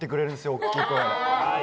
大きい声で。